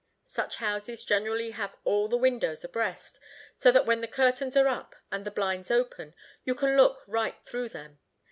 Such houses generally have all the windows abreast, so that when the curtains are up, and the blinds open, you can look right through them.